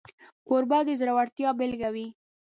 کوربه د زړورتیا بيلګه وي.